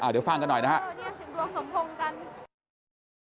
เดี๋ยวฟังกันหน่อยนะฮะ